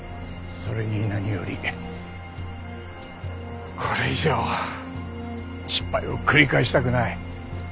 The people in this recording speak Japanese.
それに何よりこれ以上失敗を繰り返したくない。